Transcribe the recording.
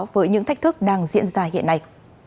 với những thách thức đang diễn ra hiện nay